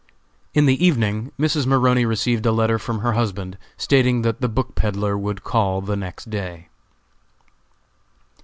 In the evening Mrs. Maroney received a letter from her husband, stating that the book peddler would call the next day.